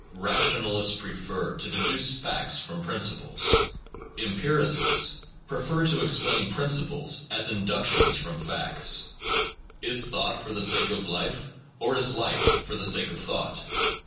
Rationalists prefer to deduce facts from principles. Empiricists prefer to explain prin ciples as inductions from facts. Is thought for the sake of life? or is life for the sake of thought?